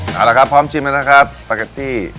เอาละครับพร้อมชิมแล้วนะครับปาเกตตี้